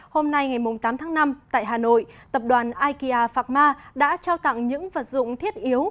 hôm nay ngày tám tháng năm tại hà nội tập đoàn ikea phạm ma đã trao tặng những vật dụng thiết yếu